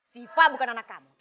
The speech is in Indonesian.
siva bukan anak kamu